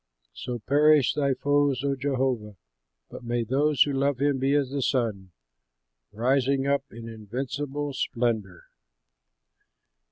"So perish thy foes, O Jehovah! But may those who love him be as the sun, Rising up in invincible splendor!"